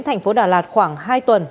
tp hcm khoảng hai tuần